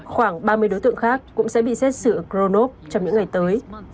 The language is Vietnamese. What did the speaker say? khoảng ba mươi đối tượng khác cũng sẽ bị xét xử ở cronov trong những ngày tới